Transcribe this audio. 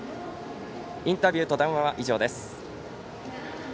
インタビューと談話は以上です。